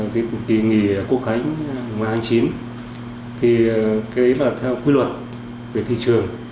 riêng kỳ nghỉ quốc khánh mùa hai mươi chín thì cái là theo quy luật về thị trường